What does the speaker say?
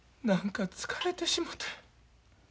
何か疲れてしもて。